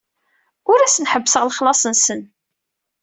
Ur asen-ḥebbseɣ lexlaṣ-nsen.